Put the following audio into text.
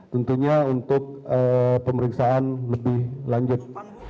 tentunya untuk pemeriksaan lebih lanjut